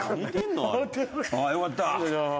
ああよかった！